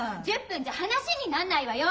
１０分じゃ話になんないわよ！